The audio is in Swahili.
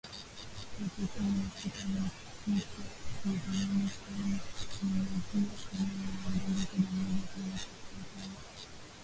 Watu kumi na sita wamefikishwa mahakamani kwa kuwauzia silaha wanamgambo huko Jamuri ya Kidemokrasia ya Kongo